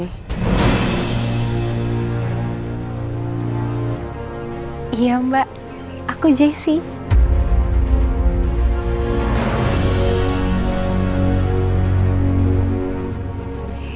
iya mbak aku jessy